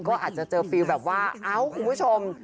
ก็อาจจะเจอฟิลแบบว่าเอ้าคุณผู้ชม